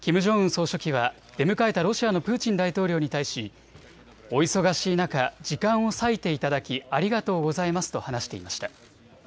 総書記は出迎えたロシアのプーチン大統領に対し、お忙しい中、時間を割いていただきありがとうございますと話していました。